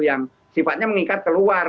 yang sifatnya mengikat keluar